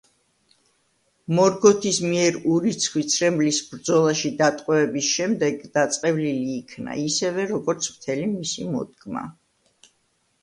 მორგოთის მიერ ურიცხვი ცრემლის ბრძოლაში დატყვევების შემდეგ დაწყევლილი იქნა, ისევე, როგორც მთელი მისი მოდგმა.